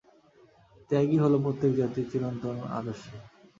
ত্যাগই হল প্রত্যেক জাতির চিরন্তন আদর্শ।